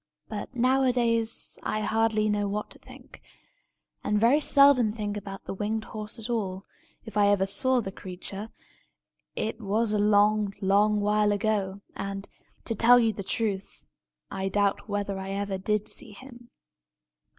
But, nowadays, I hardly know what to think, and very seldom think about the winged horse at all. If I ever saw the creature, it was a long, long while ago; and, to tell you the truth, I doubt whether I ever did see him.